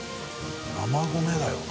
生米だよな。